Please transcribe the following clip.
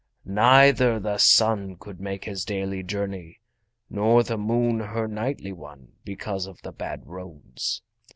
Neither the Sun could make his daily journey nor the Moon her nightly one because of the bad roads.